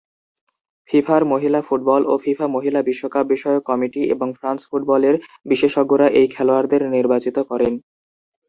ফিফার মহিলা ফুটবল ও ফিফা মহিলা বিশ্বকাপ বিষয়ক কমিটি এবং ফ্রান্স ফুটবলের বিশেষজ্ঞরা এই খেলোয়াড়দের নির্বাচিত করেন।